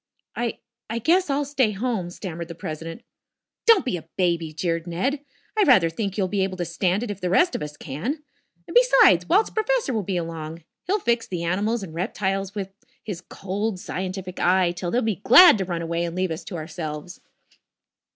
"I I guess I'll stay home," stammered the president. "Don't be a baby," jeered Ned. "I rather think you'll be able to stand it if the rest of us can. And, besides, Walt's professor will be along. He'll fix the animals and reptiles with, his cold, scientific eye till they'll be glad to run away and leave us to ourselves."